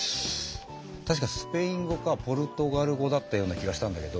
確かスペイン語かポルトガル語だったような気がしたんだけど。